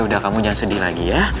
udah kamu jangan sedih lagi ya